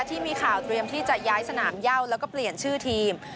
ที่มีข่าวเตรียมที่จะย้ายสนามย่าแล้วก็เปลี่ยนชื่อทีม